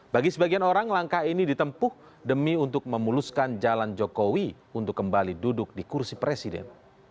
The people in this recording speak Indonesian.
bagi sebagian orang langkah ini ditempuh demi untuk memuluskan jalan jokowi untuk kembali duduk di kursi presiden